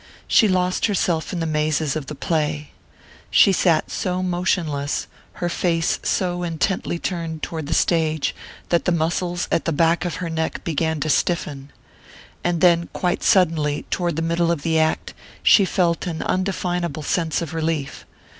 She lost herself in the mazes of the play. She sat so motionless, her face so intently turned toward the stage, that the muscles at the back of her neck began to stiffen. And then, quite suddenly, toward the middle of the act, she felt an undefinable sense of relief.